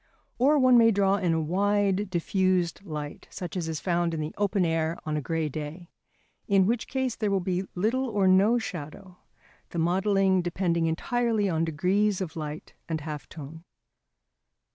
Or one may draw in a wide, diffused light, such as is found in the open air on a grey day; in which case there will be little or no shadow, the modelling depending entirely on degrees of light and half tone.